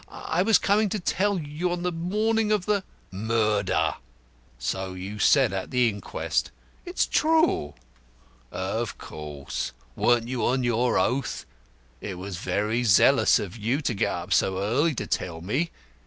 I was coming to tell you so on the morning of the " "Murder. So you said at the inquest." "It's true." "Of course. Weren't you on your oath? It was very zealous of you to get up so early to tell me.